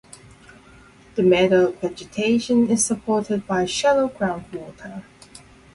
The meadow vegetation is supported by shallow groundwater.